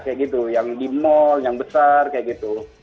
kayak gitu yang di mal yang besar kayak gitu